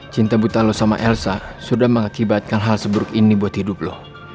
cinta buta lo sama elsa sudah mengakibatkan hal seburuk ini buat hidup lo